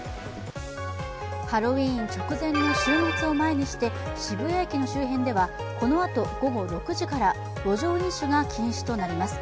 ハロウィーン直前の週末を前にして渋谷駅の周辺ではこのあと午後６時から路上飲酒が禁止となります。